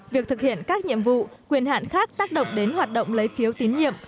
việc thực hiện các nhiệm vụ quyền hạn khác tác động đến hoạt động lấy phiếu tín nhiệm